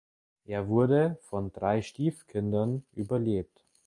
Er wurde von drei Stiefkindern überlebt.